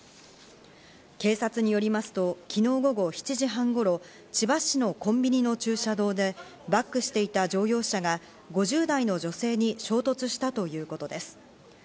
警察によりますと、昨日午後７時半頃、千葉市のコンビニの駐車場で、バックしていた乗用車が５０代の女性に衝突したということです。